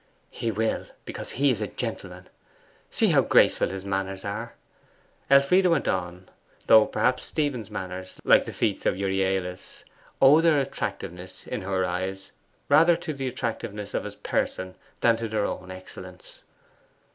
'He will, because he's a gentleman. See how graceful his manners are,' Elfride went on; though perhaps Stephen's manners, like the feats of Euryalus, owed their attractiveness in her eyes rather to the attractiveness of his person than to their own excellence.